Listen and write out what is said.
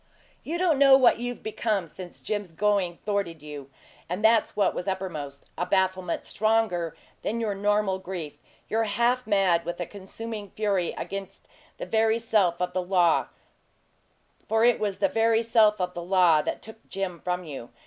You don't know what you've become since Jim's going thwarted you and that's what was uppermost, a bafflement stronger than your normal grief. You're half mad with a consuming fury against the very self of the law for it was the very self of the law that took Jim from you.